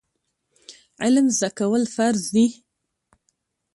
علم زده کول فرض دي